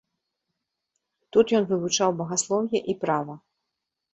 Тут ён вывучаў багаслоўе і права.